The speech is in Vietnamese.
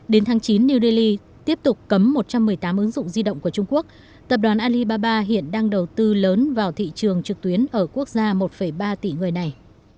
đến tháng chín new delhi tiếp tục cấm một trăm một mươi tám ứng dụng di động của trung quốc tập đoàn alibaba hiện đang đầu tư lớn vào thị trường trực tuyến ở quốc gia một ba tỷ người này